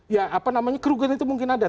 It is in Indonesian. ya apa namanya kerugian itu mungkin ada